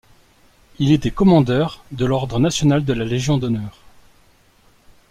Il était commandeur de l'ordre national de la Légion d'honneur.